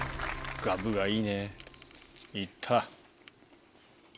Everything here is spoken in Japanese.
ガブ！がいいね行った。